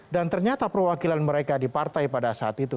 dan ternyata perwakilan mereka di partai pada saat itu